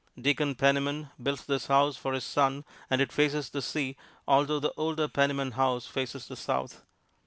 Deacon Penniman built this house for his son, and it faces the sea, although the older Penniman house faces the south.